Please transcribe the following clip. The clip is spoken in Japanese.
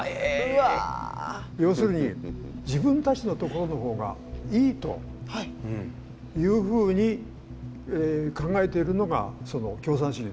要するに自分たちのところの方がいいというふうに考えているのがその共産主義。